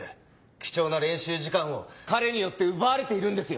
貴重な練習時間を彼によって奪われているんですよ。